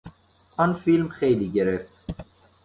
آن فیلم خیلی گرفت.